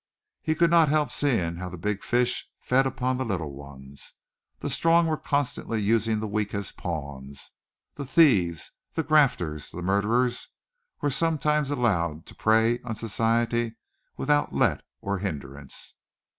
He could not help seeing how the big fish fed upon the little ones, the strong were constantly using the weak as pawns; the thieves, the grafters, the murderers were sometimes allowed to prey on society without let or hindrance.